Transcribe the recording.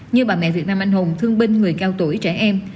như bà mẹ việt nam anh hùng thương binh người cao tuổi trẻ em